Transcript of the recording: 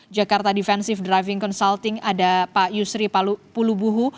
jakarta defensive driving consulting ada pak yusri pulubuhu